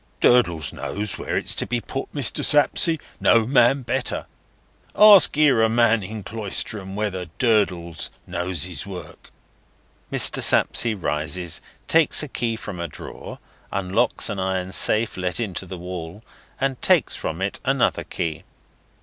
"Durdles knows where it's to be put, Mr. Sapsea; no man better. Ask 'ere a man in Cloisterham whether Durdles knows his work." Mr. Sapsea rises, takes a key from a drawer, unlocks an iron safe let into the wall, and takes from it another key.